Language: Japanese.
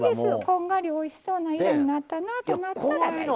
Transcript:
こんがりおいしそうな色になったなってなったら大丈夫。